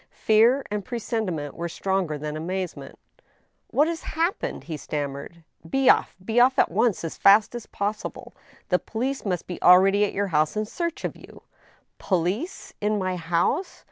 Fear and presentiment were stronger than amazement. " What has happened ?" he stammered. " Be off— be off at once as fast as possible ! The police must be already at your house in search of you I "" Police ? In my house